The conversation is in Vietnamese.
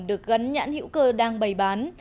được gắn nhãn hữu cơ đang bày bán